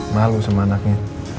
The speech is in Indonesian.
malu sama anaknya